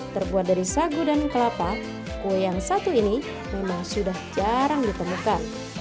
terbuat dari sagu dan kelapa kue yang satu ini memang sudah jarang ditemukan